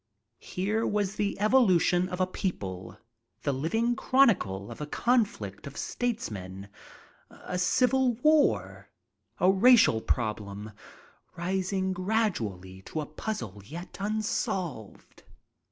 Here was the evolution of a people, the living chronicle of a conflict of statesmen, a civil war, a racial problem rising gradually to a puzzle yet un solved.